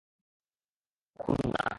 এটা খুন না।